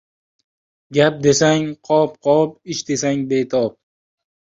Gap desang, qop-qop, ish desang — betob.